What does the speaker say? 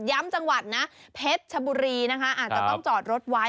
จังหวัดนะเพชรชบุรีนะคะอาจจะต้องจอดรถไว้